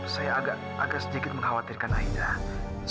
saya agak sedikit mengkhawatirkan aida